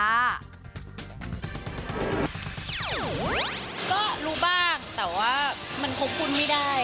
ก็รู้บ้างแต่ว่ามันคบคุณไม่ได้